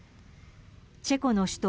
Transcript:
チェコの首都